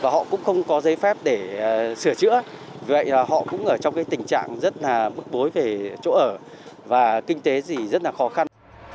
họ cũng không có giấy phép để sửa chữa vậy họ cũng ở trong tình trạng rất bức bối về chỗ ở và kinh tế rất khó khăn